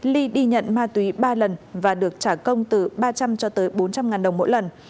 ly đi nhận ma túy ba lần và được trả công từ ba trăm linh cho tới bốn trăm linh ngàn đồng mỗi lần